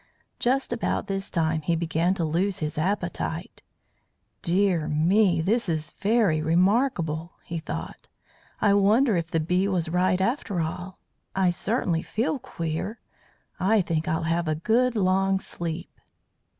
Just about this time he began to lose his appetite. "Dear me! this is very remarkable," he thought. "I wonder if that bee was right, after all? I certainly feel queer. I think I'll have a good long sleep."